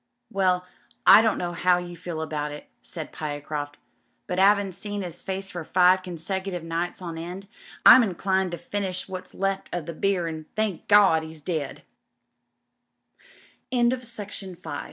"Well, I don't know how you feel about it," said Pyecroft, "but 'avin' seen 'is face for five consecutive nights on end, I'm inclined to finish what's left of the beer an' thank Gawd he's deadl" ^: if ■■ 1 « I".